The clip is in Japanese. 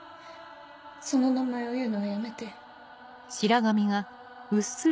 その名前を言うのはやめて。